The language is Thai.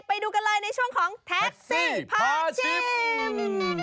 ไปดูกันเลยในช่วงของแท็กซี่พาชิม